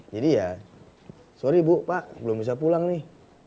jadi ya sorry bu pak belum bisa pulang nih